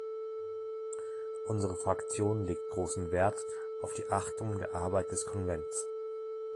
Unsere Fraktion legt großen Wert auf die Achtung der Arbeit des Konvents.